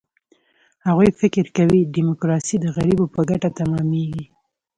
هغوی فکر کوي، ډیموکراسي د غریبو په ګټه تمامېږي.